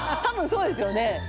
多分そうですよね？